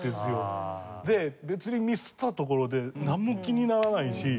で別にミスったところでなんも気にならないし。